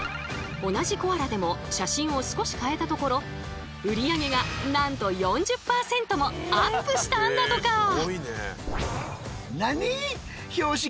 同じコアラでも写真を少し変えたところ売り上げがなんと４０％もアップしたんだとか！